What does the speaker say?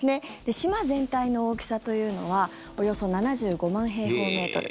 島全体の大きさというのはおよそ７５万平方メートル。